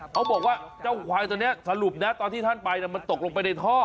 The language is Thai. เขาบอกว่าเจ้าควายตัวนี้สรุปนะตอนที่ท่านไปมันตกลงไปในท่อ